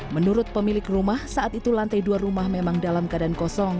menurut pemilik rumah saat itu lantai dua rumah memang dalam keadaan kosong